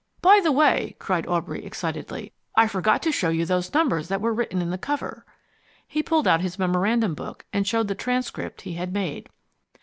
"By the way," cried Aubrey excitedly, "I forgot to show you those numbers that were written in the cover." He pulled out his memorandum book, and showed the transcript he had made.